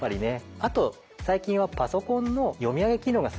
あと最近はパソコンの読み上げ機能がすごく充実してきたんですよ。